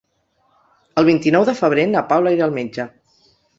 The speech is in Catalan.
El vint-i-nou de febrer na Paula irà al metge.